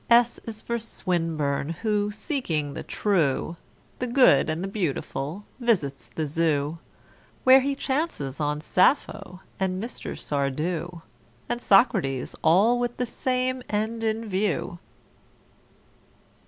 =S= is for =S=winburne, who, seeking the true, the good, and the beautiful, visits the Zoo, Where he chances on =S=appho and Mr. =S=ardou, And =S=ocrates, all with the same end in view.